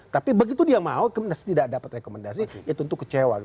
tapi begitu dia mau kemudian tidak dapat rekomendasi itu untuk kecewa